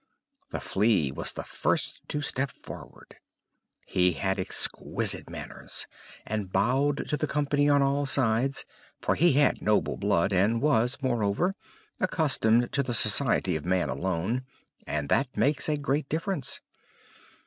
The Flea was the first to step forward. He had exquisite manners, and bowed to the company on all sides; for he had noble blood, and was, moreover, accustomed to the society of man alone; and that makes a great difference.